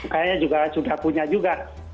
kayaknya sudah punya juga